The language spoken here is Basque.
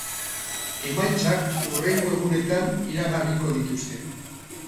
Emaitzak hurrengo egunetan iragarriko dituzte.